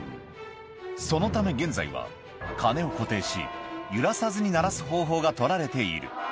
そのため現在は鐘を固定し揺らさずに鳴らす方法が取られている